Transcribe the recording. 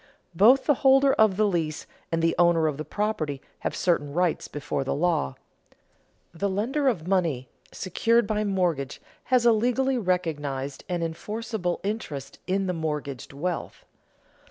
Both the holder of the lease and the owner of the property have certain rights before the law. The lender of money secured by mortgage has a legally recognized and enforceable interest in the mortgaged wealth.